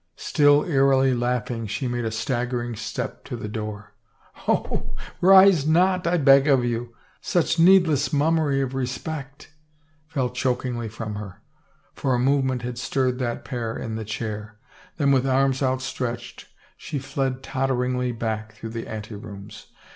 Still eerily laughing, she made a stagger ing step to the door. " Oh, rise not, I beg of you ... such needless mum mery of respect 1 " fell chokingly from her — for a move ment had stirred that pair in the chair — then with arms 299 THE FAVOR OF KINGS outstretched she fled totteringly back through the ante rooms.